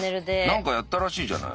何かやったらしいじゃない。